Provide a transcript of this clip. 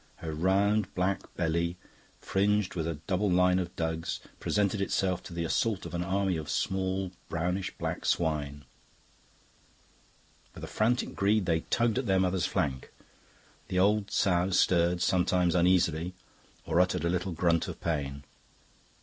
Her round, black belly, fringed with a double line of dugs, presented itself to the assault of an army of small, brownish black swine. With a frantic greed they tugged at their mother's flank. The old sow stirred sometimes uneasily or uttered a little grunt of pain.